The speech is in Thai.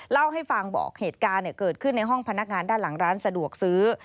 เล่าให้ฟังบอกเหตุการณ์เกิดขึ้นในห้องพนักงานด้านหลังร้านสะดวกซื้อ